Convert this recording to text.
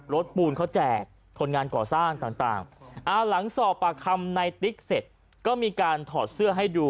ปูนเขาแจกคนงานก่อสร้างต่างหลังสอบปากคำในติ๊กเสร็จก็มีการถอดเสื้อให้ดู